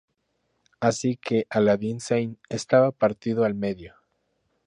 Así que "Aladdin Sane" estaba partido al medio".